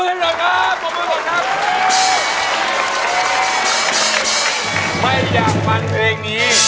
ร้อง